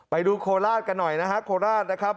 ไปดูโคราตกันหน่อยนะครับโคราตนะครับ